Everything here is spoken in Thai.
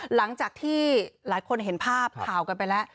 หลังจากที่หลายคนเห็นภาพข่าวกันไปแล้ว